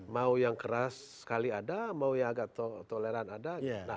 mau yang keras sekali ada mau yang agak toleran ada